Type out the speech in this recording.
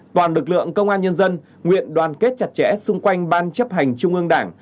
toàn lực lượng công an nhân dân nguyện đoàn kết chặt chẽ xung quanh ban chấp hành trung ương đảng